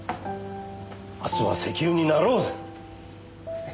「明日は石油になろう」だ。